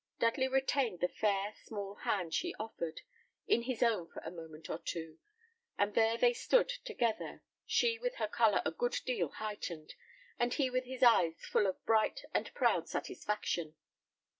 Dudley retained the fair, small hand she offered, in his own for a moment or two; and there they stood together, she with her colour a good deal heightened, and he with his eyes full of bright and proud satisfaction.